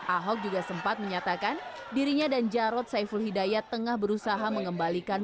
ahok juga sempat menyatakan dirinya dan jarod saiful hidayat tengah berusaha mengembalikan